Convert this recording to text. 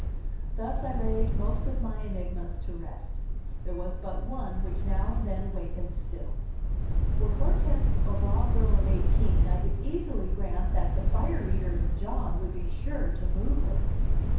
Thus I laid most of my enigmas to rest; there was but one which now and then awakened still. Were Hortense a raw girl of eighteen, I could easily grant that the "fire eater" in John would be sure to move her.